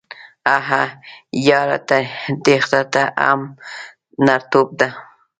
هههههه یاره تیښته هم نرتوب ده